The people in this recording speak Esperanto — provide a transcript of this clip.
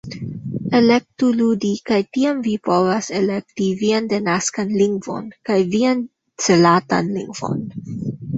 Elektu "ludi" kaj tiam vi povas elekti vian denaskan lingvon kaj vian celatan lingvon